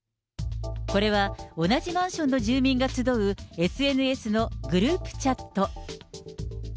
これは同じマンションの住民が集う、ＳＮＳのグループチャット。